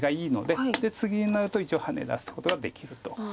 でツギになると一応ハネ出すことができると。